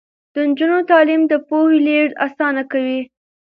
د نجونو تعلیم د پوهې لیږد اسانه کوي.